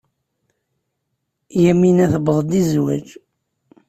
Yamina tuweḍ-d i zzwaj.